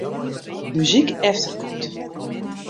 Muzyk efterkant.